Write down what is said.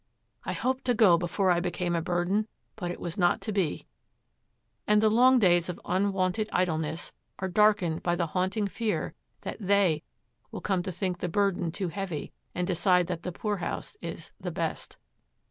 'I hoped to go before I became a burden, but it was not to be'; and the long days of unwonted idleness are darkened by the haunting fear that 'they' will come to think the burden too heavy and decide that the poorhouse is 'the best.'